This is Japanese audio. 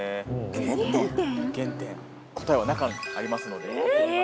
答えは中にありますので。